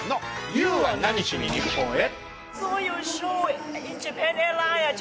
『Ｙｏｕは何しに日本へ？』。